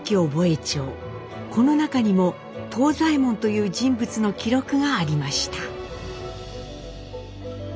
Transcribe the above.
この中にも藤左衛門という人物の記録がありました。